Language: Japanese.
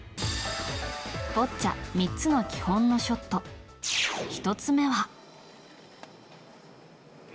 ボッチャ３つの基本のショット１つ目は。